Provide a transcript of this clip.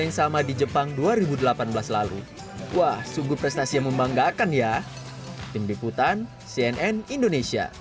yang terakhir tim ini baru sekali mengikuti lomba dan langsung menjabat juara umum